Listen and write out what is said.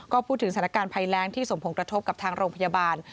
ก็พูดถึงสถานการณ์ภัยแรงที่สมผงกระทบกับทางโรงพยาบาล